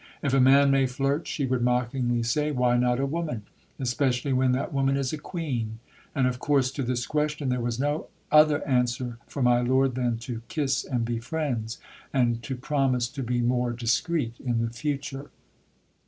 "If a man may flirt," she would mockingly say, "why not a woman, especially when that woman is a Queen?" And, of course, to this question there was no other answer for my lord than to "kiss and be friends," and to promise to be more discreet in the future.